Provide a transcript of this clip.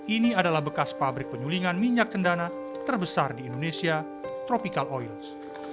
ini adalah bekas pabrik penyulingan minyak cendana terbesar di indonesia tropical oils